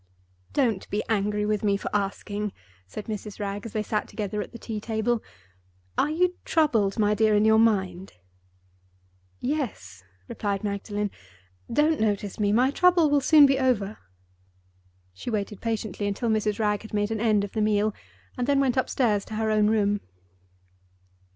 "Don't be angry with me for asking," said Mrs. Wragge, as they sat together at the tea table. "Are you troubled, my dear, in your mind?" "Yes," replied Magdalen. "Don't notice me. My trouble will soon be over." She waited patiently until Mrs. Wragge had made an end of the meal, and then went upstairs to her own room.